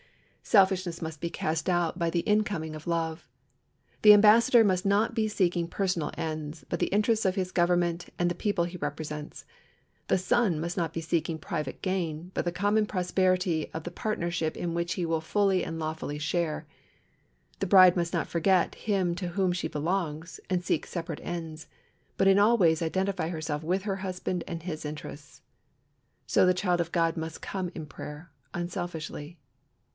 Selfishness must be cast out by the incoming of love. The ambassador must not be seeking personal ends, but the interests of his government and the people he represents; the son must not be seeking private gain, but the common prosperity of the partnership in which he will fully and lawfully share; the bride must not forget him to whom she belongs, and seek separate ends, but in all ways identify herself with her husband and his interests. So the child of God must come in prayer, unselfishly.